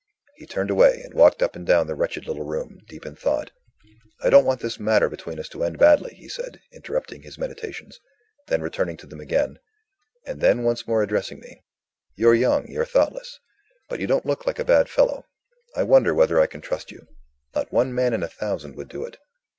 He turned away, and walked up and down the wretched little room, deep in thought. "I don't want this matter between us to end badly," he said, interrupting his meditations then returning to them again and then once more addressing me. "You're young, you're thoughtless; but you don't look like a bad fellow. I wonder whether I can trust you? Not one man in a thousand would do it.